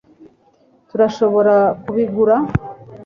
turashobora kubigura